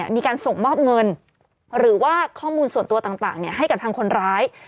มีการส่งมอบเงินหรือว่าข้อมูลส่วนตัวต่างให้กับทางคนร้าย